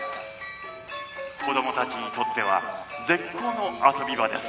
子供たちにとっては絶好の遊び場です。